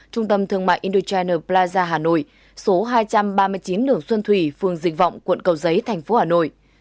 trung tâm thương mại indochina plaza hà nội số hai trăm ba mươi chín đường xuân thủy phường dịch vọng quận cầu giấy thành phố hà nội